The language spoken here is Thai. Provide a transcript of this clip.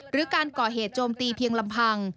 หรือการก่อเหตุโจมตีเพียงลำพัง